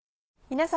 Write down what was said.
皆様。